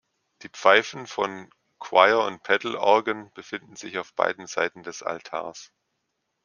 Die Pfeifen von Choir- und Pedal Organ befinden sich auf beiden Seiten des Altars.